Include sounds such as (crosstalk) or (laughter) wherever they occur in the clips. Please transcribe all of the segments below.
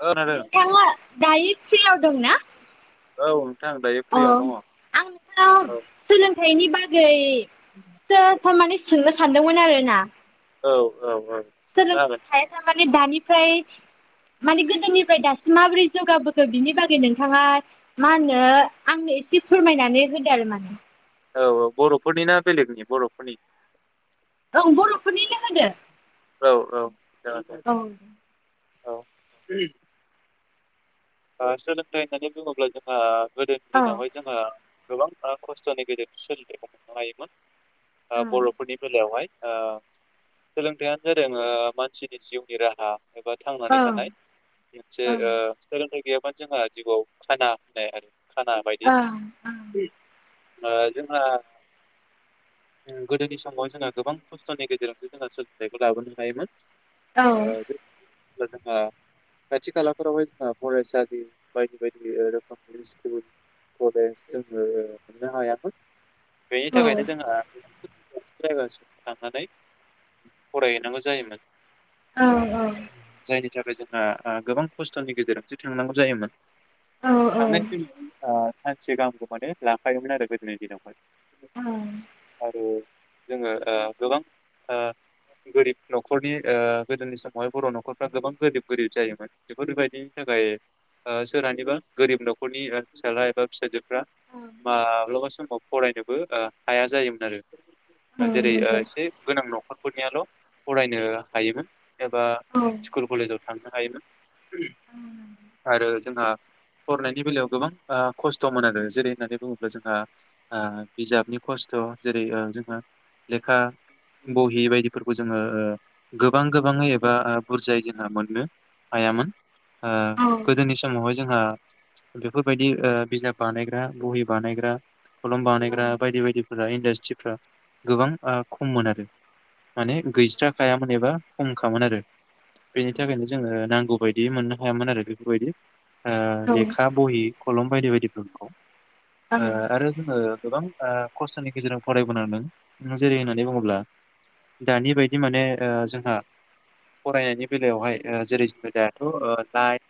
औ खोनादों नोंथांङा दायो फ्रियाव दंना? औ नोंथां दायो औ फ्रियावनो आं दङ नोंथांनाव औ सोलोंथाइनि बाग (unintelligible) (unintelligible) थारमाने सोंनो सानदोंमोन आरो ना? औ औ औ सोंनो हागोन सोलोंथाय थारमा ने दानिफ्राय माने गोदोनिफ्राय दासिम माबोरै जौगाबोखो बिनि बागै नोंथाङा मा होनो आंनो एसे फोरमायनानै होदो आरो माने औ बरफोरनि ना बेलेगनि बर'फोरनि औ बरफोरनिनो होदो औ औ जागोन दे औ औ ओ सोलोंथाइ होननानै बुङोब्ला जोंहा गोदोनि औ दिनावहाय जोङो गोबां बा खस्थ'नि गेजेरजों सोलोंथाइखौ मोननो हायोमोन बा औ बर'फोरनि बेलायावहाय ओ सोलोंथाइयानो दोङो मानसिनि जिउनि राहा एबा थांनानै ओं थानाय मोनसे ओं ओ गैयाबानो जोंहा जिआव खाना होनाय आरो खाना बायदि ओं ओ जोंहा गोदोनि समाव जोंहा गोबां खस्थ'नि गेजेरावसो जोंहा सोलोंथाइखौ लाबोनो हायोमोन औ थ‌ जोंङो खाथि खालाफ्रावहाय फरायसालि बायदि बायदि रोखोमनि स्कुल कलेज जोङो मोननो हायामोन बेनि औ थाखायाबायनो जोंङो जायगसिम थांनानै फरायहैनांगौ जायोमोन जायनि थाखाय जों ओ ओ गोबां खस्थ'नि गेजेरजोंसो थांनांगौ जायोमोन औ औ थांनाय फैनायाव सानसे गाहामखौ माने लांखायोमोन आरो गोदोनि दिनावहाय। आरो जोङो ओ गोबां ओ गोरिब न'खरनि ओ गोदोनि समावहाय बर' न'खरफ्रा गोबां गोरिब गोरिब जायोमोन बेफोरबायदि थाखाय ओ सोरहानिबा गोरिब न'खरनि फिसाला एबा फिसाजो फ्राय माब्लाबा समाव फरायनोबो हाया जायोमोन आरो औ जेरै ओ नंगौ एसे गोनां दं नखर फोरनियाल' फरायनो हायोमोन एबा औ स्कुल कलेजाव थांनो हायोमोन औ आरो जोंहा फरायनायनि बेलायाव गोबां खस्थ'मोन आरो जेरै होननानै बुङोब्ला जोंहा बिजाबनि खस्थ' जेरै जोंहा लेखा बहि बायदिफोरखौ जोङो गोबां गोबाङै एबा बुरजायै जोंहा मोननो हायामोन आ औ गोदोनि समावहाय जोंहा बेफोरबायदि ओ बिजाब बानायग्रा बहि बानायग्रा खलम बानायग्रा बायदि बायदिफोराहाय इडासट्रिफ्रा गोबां खममोन आरो माने गैस्राखायामोन एबा खमखामोन आरो बेनि थाखायनो जोङो नांगौ बायदि दि मोननो हायामोन आरो बेफोरबायदि आ औ लेखा बहि खलम बायदि बायदि फोरखौ आं आरो जोङो गोबां आ खस्थ'नि गेजेरजों फरायबोनांदों। जेरै होननानै बुङोब्ला दानि बायदि माने ओ जोंहा फरायनायनि बेलायावहाय ओ जेरै जोङो दा लाइट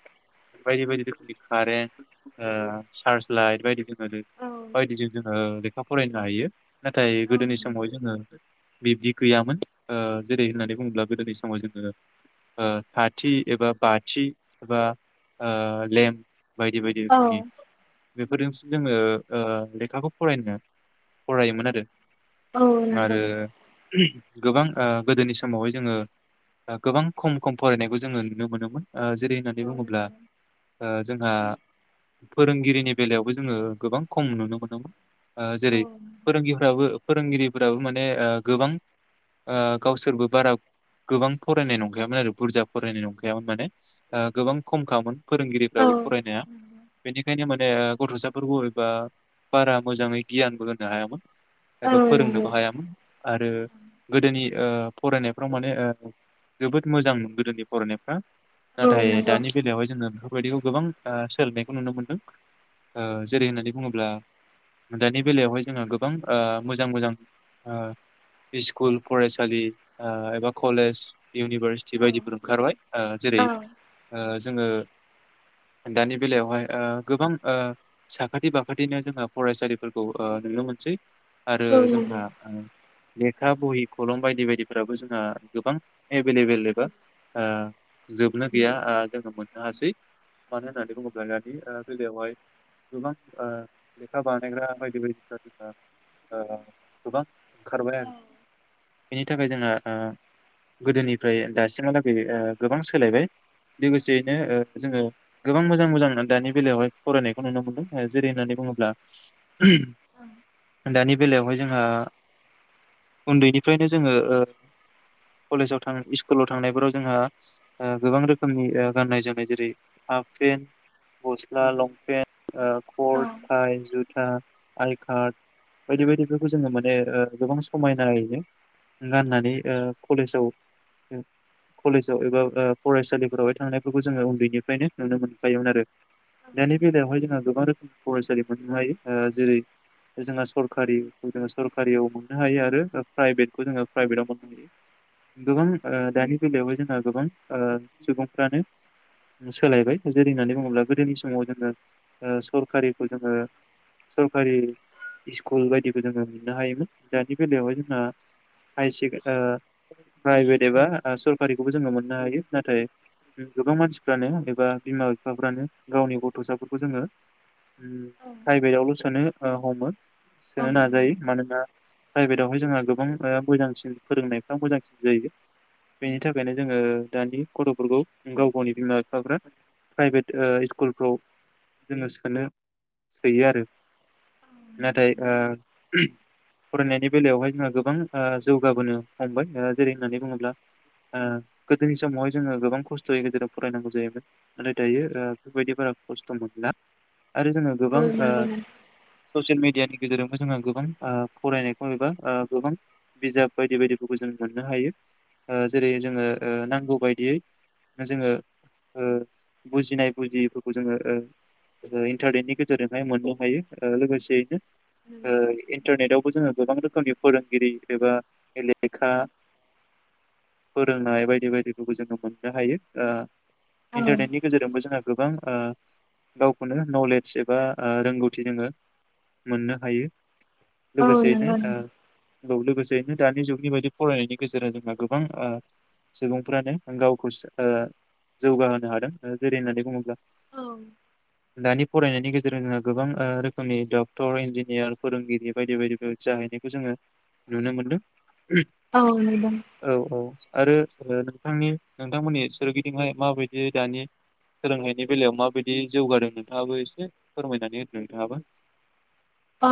बायदि बायदि रोखोमनि कारेन्ट ओ सार्च लाइट बायदि रोख (unintelligible) ओं लेखा फरायनो हायो। नाथाय गोदोनि समाव जोङो बिब्दि गैयामोन ओ जेरै होननानै बुङोब्ला गोदोनि समाव जोङो ओ साथि एबा बाथि एबा ओ लेम बायदि बायदि रोखोमनि बेफोरजोंस जोङो ओ लेखाखौ फरायनो फरायोमोन आरो। औ आरो नांगौ नोंगौ। गोबां ओ गोदोनि समावहाय जोङो गोबां खम खम फरायनायखौ जोङो नुनो मोनोम। ओ जेरै- होननानै औ बुङोब्ला नंगौ ओ जोंहा फोरोंगिरिनि बेलायावबो जोङो गोबां खम नुनो मोनोमोन। ओ जेरै फोरोंगिरिफोराबो फोरोंगिरिफोराबो माने गोबां गावसोरबो बारा गोबां फरायनाय नंखायामोन आरो बुरजा फरायनाय नंखायामोन माने ओ गोबां खमखामोन! फोरोंगिरिफ्राबो औ फरायनाया बेनिखायनो माने गथ'साफोरखौ एबा बारा मोजाङै गियानबो होनो हायामोन। नंगौ औ नंगौ औ एबा नंगौ फोरोंनोबो हायामोन आरो गोदोनि। ओ फरायनायफ्राव माने ओ जोबोद मोजांमोन गोदोनि फरायनायफ्रा नंगौ औ नंगौ नाथाय दानि बेलायावहाय जोङो बेफोरबायदिखौ गोबां ओ सोलायनायखौ नुनो मोनदों। ओ जेरै होननानै बुङोब्ला- ब्ला दानि बेलायावहाय जोङो गोबां ओ मोजां मोजां ओ स्कुल फरायसालि ओ एबा कलेज इउनिभारसिटि बायदिफोर ओंखारबाय। ओ जेरै- जोङो दानि बेलायावहाय ओ गोबां ओ साखाथि बाखाथिनो जोङो फरायसालिफोरखौ ओ नुनो मोनसै! आरो जोंहा उम! लेखा बहि खलम बायदि बायदिफोराबो जोंहा गोबां एभेलेबेल एबा ओ जोबनो गैया ओ जोङो मोननो हासै मानो होननानै बुङोब्ला दानि ओ बेलायावहाय गोबां ओ लेखा बानायग्रा बायदि बायदिफ्रा जोंहा ओ गोबां ओंखारबाय आरो बेनि थाखाय जोंहा ओ गोदोनिफ्राय दासिमहालागै ओ। गोबां सोलायबाय । लोगोसेयैनो ओ जोङो गोबां मोजां मोजां दानि बेलायावहाय फरायनायखौ नुनो मोनदों ओ जेरै होननानै बुङोब्ला- दानि बेलायावहाय जोंहा उन्दैनिफ्रायनो जोङो ओ कलेजाव थां स्कुलाव थांनायफोराव जोंहा। ओ गोबां रोखोमनि ओ गाननाय जोमनाय जेरै हाफ पेन्ट, गस्ला-लंपेन्ट। आ खथ, टाइ, जुद ओ आइ कार्ड बायदि बायदिफोरखौ जोङो माने ओ गोबां समायनायैनो गाननानै ओ कलेजाव कलेज आव एबा फरायसालिफोरावहाय थांनायफोरखौ जोङो उन्दैनिफ्रायनो नुनो मोनखायोमोन आरो! दानि बेलायावहाय जोंहा गोबां रोखोम फरायसालिफोरखौ हायो जेरै जोंहा सरखारिखौ जोङो सरखारियाव मोननो हायो आरो प्राइभेटखौ जोङो प्राइभेटआव मोननो हायो गोबां दानि बेलायावहाय जोंहा गोबां ओ सुबुंफ्रानो सोलायबाय जेरैनानै बुंङोब्ला गोदोनि समाव जोङो सरखारिखौ जोङो सरखारि स्कुल बायदिखौ जोङो मोननो हायोमोन दानि बेलायावहाय जोंना हाय सेक ओ प्रायबेद एबा सरखा सरखारिखौबो जों मोन मोननो हायो। नाथाय गोबां मानसिफ्रानो एबा बिमा बिफाफ्रानो गावनि गथ'साफोरखौ जोङो प्राइभेटावल' सोनो ओ हमो सोनो नाजायो मानोना प्राइभेटआवहाय जोंहा गोबां मोजांसिन फोरोंनायफ्रा मोजांसिन जायो बेनि थाखायनो जोङो दानि गथ'फोरखौ गाव गावनि बिमा बिफाफ्रा प्राइभेट स्कुलफ्राव जोङो सोनो सोयो आरो। नाथाय ओ फरायनायनि बेलायावहाय जोंहा ओ गोबां जौगाबोनो हमबाय जेरै होननानै बुङोब्ला ओ गोदोनि समावहाय जोङो गोबां खस्थ'यै गेजेराव फरायनांगौ जायोमोन नाथाय दायो बेफोरबायदि बारा खस्थ' मोनला। आरो जोङो गोबां ओ ससियेल मिडियानि गेजेरावबो जोङो गोबां फरायनायखौ एबा गोबां बिजाब बायदि बायदिफोरखौ जों मोननो हायो जेरै जोङो नांगौ बायदियै जोङो ओ बुजिनाय बुजियैफोरखौ ओ जोङो इन्टारनेटनि गेजेरजोंहाय मोननो हायो लोगोसेयैनो ओ इन्टारनेटवबो जोङो गोबां रोखोमनि फोरोंगिरि एबा लेखा फोरोंनाय बायदि बेबायदिखौबो जोङो मोननो हायो। आ इन्टारनेटनि गेजेरजोंबो जोंहा गोबां ओ गावखौनो नलेज एबा रोंगौथि जोङो मोननो हायो। लोगोसेयैनो ओ औ लोगोसेयैनो दानि जुगनि बायदि फरायनायनि गेजेरजों जोंहा गोबां ओह सुबुंफ्रानो गावखौ ओ जौगाहोनो हादों जेरै होननानै बुङोब्ला दानि फरायनायनि गेजेरजों जों ओ गोबां रोखोमनि डक्टर इन्जिनियार फोरोंगिरि बायदि बायदिफोर जाहैनायखौ जोङो नुनो मोनदों। औ नंगौ औ औ आरो नोंथांनि नोंथांमोननि सोरगिदिंहाय माबायदि दानि सोलोंथाइनि बेलायाव माबायदि जौगादों नोंथाङाबो एसे फोरमायनानै होदों नोंथाङाबो? औ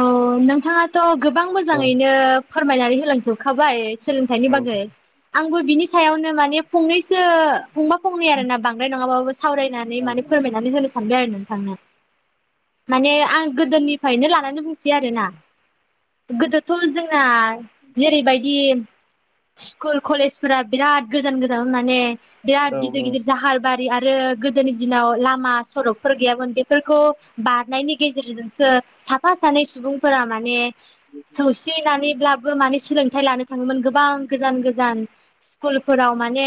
नोंथाङाथ' गोबां औ मोजाङैनो फोरमायनानै हो लांजोबखाबाय सोलोंथाइनि औ बागै आंबो बिनि सायावनो माने फंनैसो फंबा फंनै आरो ना बांद्रायराय नङाब्लाबो सावरायनानै माने फोरमायनानै होनो सानदों आरो नों माने आं गोदोनिफ्रायनो ला (unintelligible) सि आरोना गोदथ' जों ना जेरैबायदि स्कुल कलेजफोरा बिराद गोजान गोजानाव माने औ बिराद गिदिर गिदिर जाहार बार रि आरो गोदोनि दिनाव लामा सरकफोर गैयामोन बेफोरखौ बारनायनि गेजेरजोंसो साफा सानै सुबुंफोरा माने सौसिनानैब्लाबो माने सोलोंथाइ लानो थाङोमोन गोबां गोजान गोजान स्कुलफोराव माने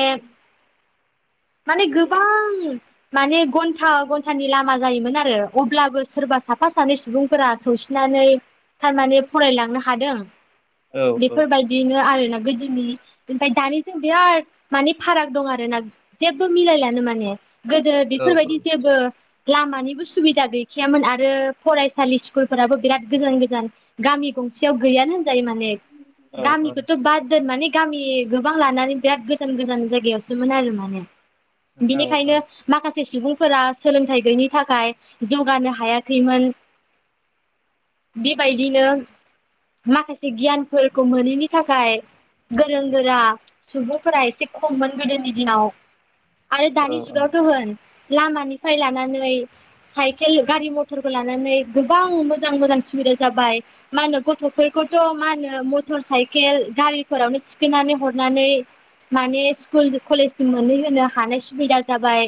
माने गोबां माने घन्टा घन्टानि लामा जायोमोन आरो अब्लाबो सोरबा साफा सानै सुबुंफोरा सौसिनानै थारमाने फरायलांनो हादों औ औ बेफोरबायदिनो आरोना गोदोनि ओमफ्राय दानिजों बिराद माने फाराग दं आरो ना जेबो मिलायलानो माने गोदो औ बेफोरबायदि जेबो लामानिबो सुबिदा गैखायामोन आरो फरायसालि स्कुलफोराबो बिराद गोजान गोजान गामि गंसेयाव गैयानो होनजायो माने औ गामिखौथ' बाद दोन माने गामि गोबां लानानै बिराद गोजान गोजान जायगायावसोमोन आरो माने औ औ बिनिखायनो माखा (unintelligible) सुबुंफोरा सोलोंथाइ गैयिनि थाखाय जौगानो हायाखैमोन बेबायदिनो माखासे गियानफोरखौ मोनैनि थाखाय गोरों गोरा सुबुंफोरा एसे खममोन गोदोनि दिनाव आरो औ दानि जुगावथ' होन लामानिफ्राय लानानै साइकेल गारि मथरखौ लानानै गोबां मोजां मोजां सुबिदा जाबाय मा होनो गथ'फोरखौथ' मा होनो मटर साइकेल गारिफोरावनो थिखोननानै हरनानै माने स्कुल कलेजसिम मोनहै होनोनो हानाय सुबिदा जाबाय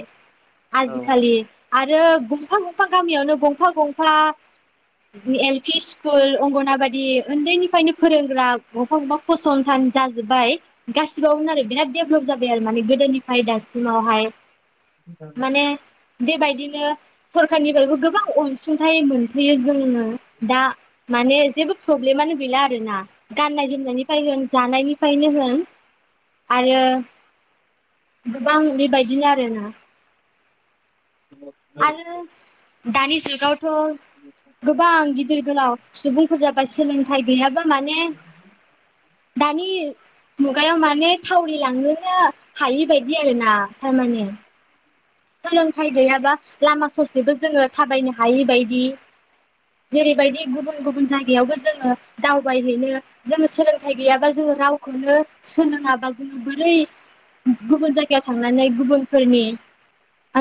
आजिखालि आरो गंफा गंफा गामियावनो गं गंफा गंफा एलपि स्कुल अंगनाबादि उन्दैनिफ्रायनो फोरोंग्रा गंफा गंफा फसंथान जाजोब्बाय गासिबावबो आरो बिराद देभेलप जाबाय आरो माने गोदोनिफ्राय दासिमावहाय माने (unintelligible) बेबायदिनो सरखारनिफ्रायबो गोबां अनसुंथाइ मोन होयो जोंनो दा माने जेबो प्रब्लेमानो गैला आरोना गाननाय जोमनायनिफ्राय होन जानायनिफ्रायनो होन आरो गोबां बेबायदिनो आरोना औ आरो दानि जुगाव थ गोबां गि दिर गोलाव सुबुंफोर जाबाय सोलोंथाइ गैयाबा माने दानि मुगायाव माने थावरि लांनोनो हायै बायदि आरोना थारमाने सोलोंथाइ गैयाबा लामा ससेबो जोङो थाबायनो हायि बादि जेरैबायदि गुबुन गुबुन जायगायावबो जोङो दावबायहैनो जोङो सोलोंथाइ गैयाबा जोङो रावखौनो सोलोङाबा जोङो बोरै गुबुन जायगायाव थांनानै गुबुनफोरनि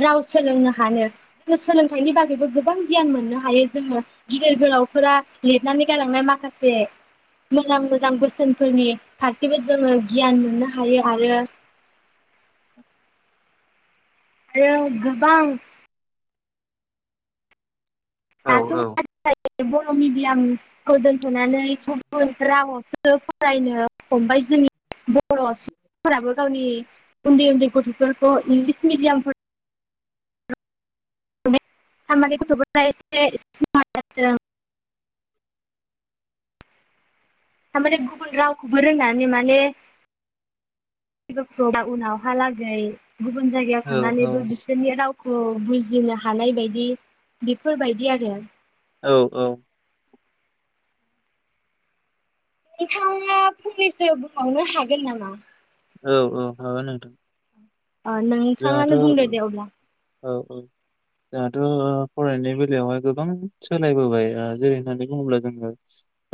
राव सोलोंनो हानो जोङो सोलोंथाइनि बागैबो गोबां गियान मोननो हायो जोङो गिदिर गोलावफोरा लिरनानै गालांनाय माखासे मोजां मोजां बोसोनफोरनि फारसेबो जोङो गियान मोननो हायो आरो आरो गोबां औ औ बे बर' मिडियामखौ जों फजनानै गुबुन राव सो फरायनो हमबाय जोंनि बर' सुबुंफोराबो गावनि उन्दै उन्दै गथ'फोरखौ इंलिस मिडियामफोराव थारमानि गथ'फ एसे समार्ट ज जाथों थारमाने गुबुन रावखौबो रोंनानै माने जेबो उनावहालागै गुबुन जायगायाव थांनानैबो बिसोरनि रावखौ बुजिनो हानाय बायदि बेफोरबायदि आरो औ औ नोंथांङा फंनैसो बुंबावनो हागोन नामा? औ औ माबा नोंथां ओ जोंहाथ' नोंथांङानो बुंदो दे अब्ला औ औ जोंहाथ' फरायनाय बेलायावहाय गोबां सोलायबोबाय ओ जेरै होननानै बुङोब्ला जोङो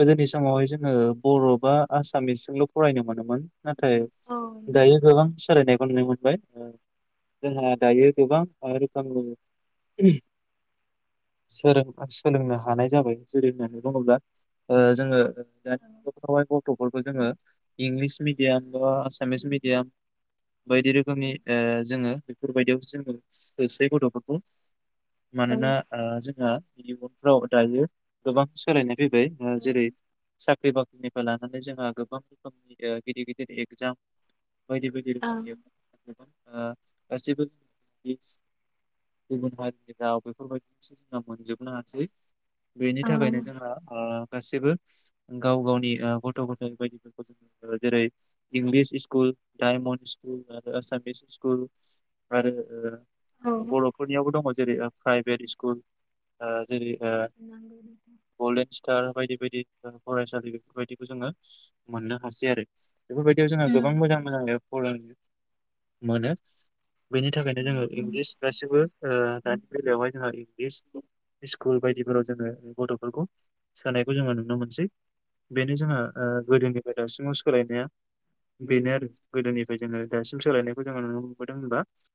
गोदोनि समावहाय जोङो बर' बा आसामिसजोंल' फरायनो मोनोमोन नाथाय औ दायो गोबां सोलायनाय फरायनो ओ मोनबाय जोंहा दायो ओ गोबां रोखोमनि सोलोंनो हानाय जाबाय जेरै होननानै बुङोब्ला ओ जोङो (unintelligible) बयबो जोङो इंलिस मिडियाम बा आसामिस मिडियाम बायदि रोखोमनि ओ जोङो बेफोरबायदियाव जोङो सोसै गथ'फोरखौ मानोना औ ओ जोङो थिलिफ्राव दायो गोबां सोलायनाय फैबाय ओ औ जेरै साख्रि बा निफ्राय लानानै जोंहा गोबां रोखोमनि ओ गिदिर गिदिर एगजाम बायदि बायदि ओं रोखोमनि ओ गासैबो भिस गुबुन हारिनि राव बेफोरबायदिसो जोंना मोनजोबनो हासै बेनि औ थाखायनो जोंहा ओ गासैबो गाव गावनि ओ गथ' गथायाइ बायदिफोरखौ जों जेरै इंलिस स्कुल डायमन्ड स्कुल आरो आसामिस स्कुल आरो औ ओ बर'फोरनियावबो दङ जेरै प्राइभेट स्कुल आ जेरै आ नंगौ गलडेन स्टार बायदि बायदि फरायसालि बेफोरबायदिखौ जोङो मोननो हासै आरो। बेफोरबायदियाव जोङो नोंथां गोबां मोजां मोजां फरा मोनो बेनि उम थाखायनो जोङो इंलिस गासिबो दानि बेलायावहाय जोंहा इंलिस स्कुल बायदिफोराव जोङो गथफोरखौ सोनायखौ जोङो नुनो मोनसै। बेनो जोंहा ओ औ गोदोनिफ्राय दासिमाव सोलायनाया बेनो आरो गोदोनिफ्राय जोङो दासिम सोलायनाय जोङो नुनो मोनबोदों होनबा